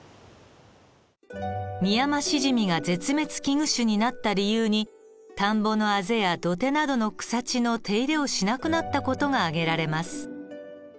ミヤマシジミが絶滅危惧種になった理由に田んぼのあぜや土手などの草地の手入れをしなくなった事が挙げられます。